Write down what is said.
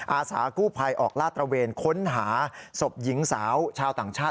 อาสากู้ภัยออกลาดตระเวนค้นหาศพหญิงสาวชาวต่างชาติ